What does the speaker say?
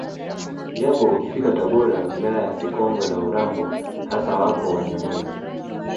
Japo ukifika Tabora wilaya ya Sikonge na Urambo hasa wapo Wanyamwezi